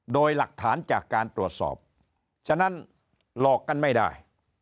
โดยหลักฐานจากการตรวจสอบฉะนั้นหลอกกันไม่ได้